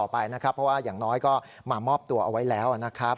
เพราะว่าอย่างน้อยก็มามอบตัวเอาไว้แล้วนะครับ